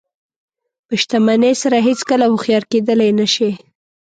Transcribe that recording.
په شتمنۍ سره هېڅکله هوښیار کېدلی نه شئ.